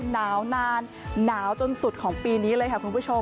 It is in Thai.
หนาวนานหนาวจนสุดของปีนี้เลยค่ะคุณผู้ชม